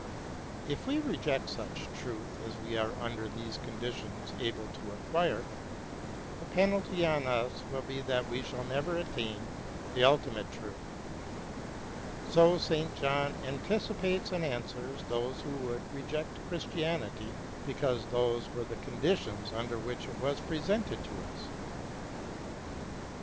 If we reject such truth as we are under these conditions able to acquire, the penalty on us will be that we shall never attain the ultimate truth. So St. John anticipates and answers those who would reject Christianity because those were the conditions under which it was presented to us.